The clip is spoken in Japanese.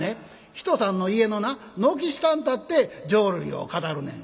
「人さんの家のな軒下に立って浄瑠璃を語るねん」。